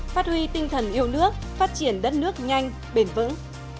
phát huy tinh thần yêu nước phát triển đất nước nhanh bền vững